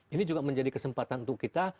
ini juga menjadi kesempatan untuk kita